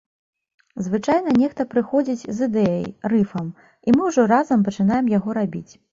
Звычайна нехта прыходзіць з ідэяй, рыфам, і мы ўжо разам пачынаем яго рабіць.